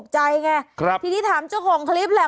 เจายังไง